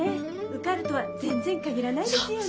受かるとは全然限らないですよねえ。